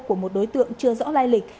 của một đối tượng chưa rõ lai lịch